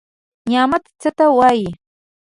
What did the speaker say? نعت څه ته وايي؟